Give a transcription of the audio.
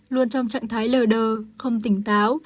luôn trong trạng thái lờ đờ không tỉnh táo